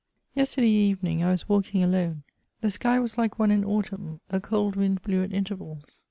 Yesterday evening I was walking alone : the sky was like one in autumn : a cold wind blew at intervals.